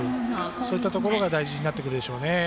そうしたところが大事になってくるでしょうね。